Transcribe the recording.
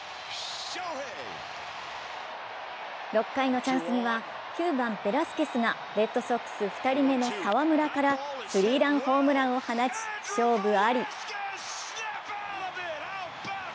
６回のチャンスには９番・ベラスケスがレッドソックス２人目の澤村からスリーランホームランを放ち、勝負あり。